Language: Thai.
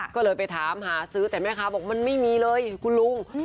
ก็เลยไปถามหาซื้อแต่แม่ค้าบอกมันไม่มีเลยคุณลุง